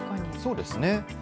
そうですね。